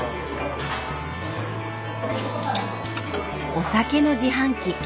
お酒の自販機。